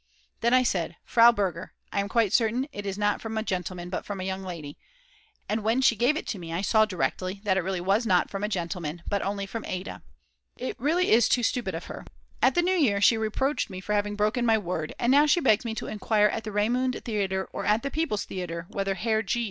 Then I said: "Frau Berger, I am quite certain it is not from a gentleman, but from a young lady," and when she gave it to me I saw directly that it really was not from a gentleman but only from Ada! It really is too stupid of her! At the New Year she reproached me for having broken my word, and now she begs me to enquire at the Raimund Theatre or at the People's Theatre whether Herr G.